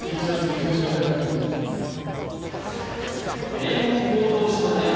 名門校同士の対決